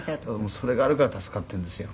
「それがあるから助かっているんですよ」